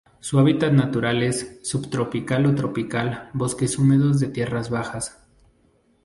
Su hábitat natural es: subtropical o tropical bosques húmedos de tierras bajas.